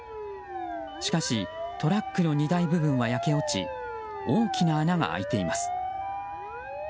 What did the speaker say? しかしトラックの荷台部分は焼け落ち大きな穴が開いています。